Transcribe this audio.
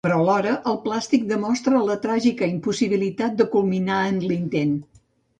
Però, alhora, el plàstic demostra la tràgica impossibilitat de culminar en l'intent.